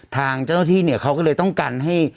ทางเจ้าที่เขาก็เลยต้องกันให้